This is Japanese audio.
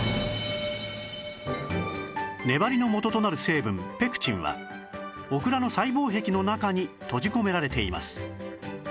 粘りの元となる成分ペクチンはオクラの細胞壁の中に閉じ込められています